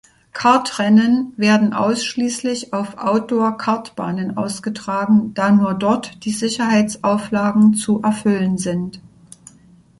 Kartrennen werden ausschließlich auf Outdoor-Kartbahnen ausgetragen, da nur dort die Sicherheitsauflagen zu erfüllen sind.